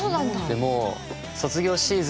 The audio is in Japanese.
でもう卒業シーズン